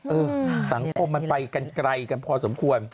อืมสังคมมันไปไกลกันพอสมควร